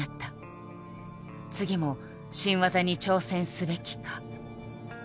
「次も新技に挑戦すべきか？」。